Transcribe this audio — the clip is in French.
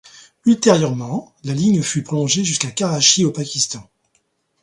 Ultérieurement, la ligne fut prolongée jusqu'à Karachi au Pakistan.